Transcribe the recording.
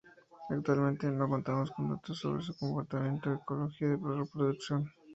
Actualmente, no contamos con datos sobre su comportamiento, ecología o reproducción.